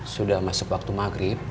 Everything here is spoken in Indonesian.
sudah masuk waktu maghrib